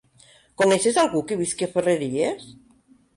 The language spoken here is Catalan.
Coneixes algú que visqui a Ferreries?